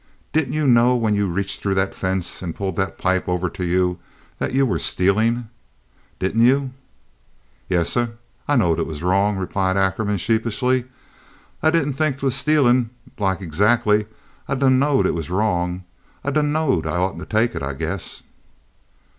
Didn't you know when you reached through that fence and pulled that pipe over to you that you were stealing? Didn't you?" "Yassah, I knowed it was wrong," replied Ackerman, sheepishly. "I didn' think 'twuz stealin' like zackly, but I done knowed it was wrong. I done knowed I oughtn' take it, I guess."